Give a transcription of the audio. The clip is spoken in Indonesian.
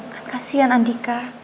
kan kasihan andika